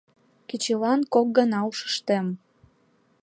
Кечылан кок гана ушыштем.